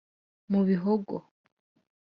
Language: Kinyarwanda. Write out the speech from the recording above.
mu bihogo